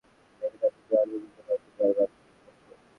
চাইলে যেকোনো সময় জার্মানি থেকে তাঁদের তাড়িয়ে দিতে পারত জার্মান কর্তৃপক্ষ।